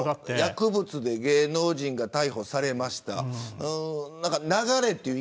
薬物で芸能人が逮捕されました。